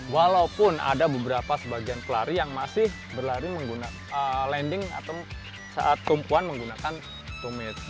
walaupun ada beberapa sebagian pelari yang masih berlari menggunakan landing atau saat tumpuan menggunakan tumit